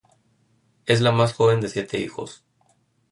Es la más joven de siete hijos.